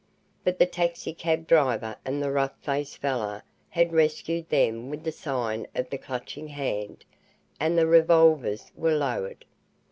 But the taxicab driver and the rough faced fellow had reassured them with the sign of the Clutching Hand, and the revolvers were lowered.